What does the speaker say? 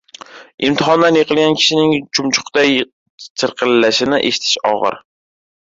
– imtihondan yiqilgan kishining chumchuqday chirqillashini eshitish og'ir;